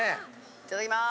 いただきます。